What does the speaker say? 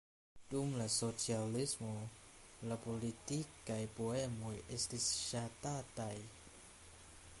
Dum la socialismo la politikaj poemoj estis ŝatataj.